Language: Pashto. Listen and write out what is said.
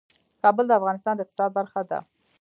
کابل د افغانستان د اقتصاد برخه ده.